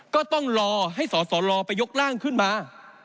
ก็ต้องรอให้สสลไปยกร่างขึ้นมา